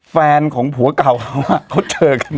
แฟนของหัวเก่าหาว่าก็เจอกัน